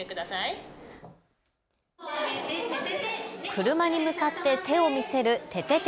車に向かって手を見せるててて！